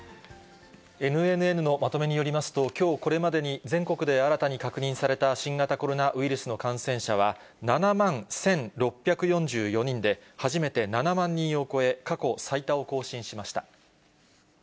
ＮＮＮのまとめによりますと、きょうこれまでに全国で新たに確認された新型コロナウイルスの感染者は、７万１６４４人で、初めて７万人を超え、過去最多を更新しました。